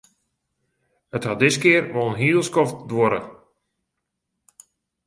It hat diskear wol in heel skoft duorre.